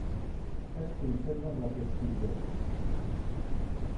Es conserven les espitlleres.